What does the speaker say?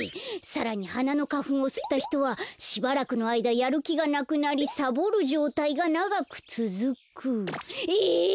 さらにはなのかふんをすったひとはしばらくのあいだやるきがなくなりサボるじょうたいがながくつづく。え！？